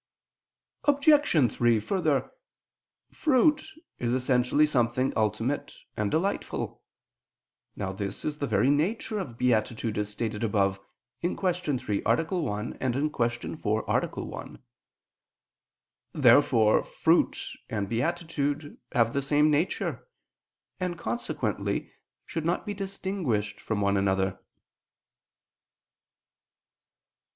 Obj. 3: Further, fruit is essentially something ultimate and delightful. Now this is the very nature of beatitude, as stated above (Q. 3, A. 1; Q. 4, A. 1). Therefore fruit and beatitude have the same nature, and consequently should not be distinguished from one another.